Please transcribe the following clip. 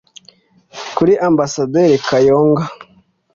Kuri Ambasaderi Kayonga